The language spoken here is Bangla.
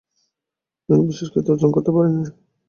তিনি বিশেষ খ্যাতি অর্জন করতে পারেননি।